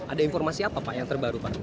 ada informasi apa pak yang terbaru pak